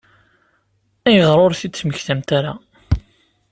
Ayɣer ur t-id-temmektamt ara?